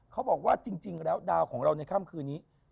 เขาบอกว่าจริงแล้วดาวของเราในค่ำคืนนี้